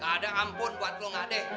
gak ada ampun buat lo gak deh